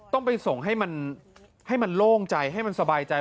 ต้องไปส่งให้มันให้มันโล่งใจให้มันสบายใจ